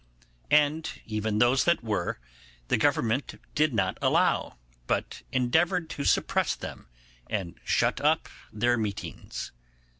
And even those that were, the Government did not allow, but endeavoured to suppress them and shut up their meetings.